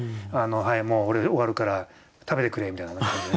「はいもう俺終わるから食べてくれ」みたいな感じでね。